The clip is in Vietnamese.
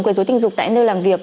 của dối tình dục tại nơi làm việc